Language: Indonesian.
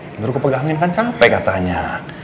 menurut kepegangin kan capek katanya